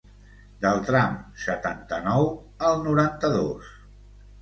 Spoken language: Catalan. Del tram setanta-nou al noranta-dos.